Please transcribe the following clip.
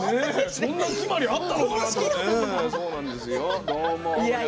そんな決まりがあったかな。